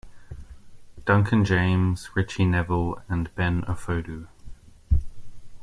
Duncan James, Ritchie Neville and Ben Ofoedu.